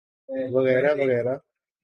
وغیرہ وغیرہ۔